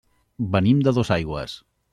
Venim de Dosaigües.